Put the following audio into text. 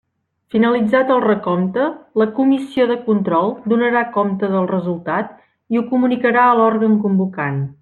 Finalitzat el recompte, la Comissió de control donarà compte del resultat i ho comunicarà a l'òrgan convocant.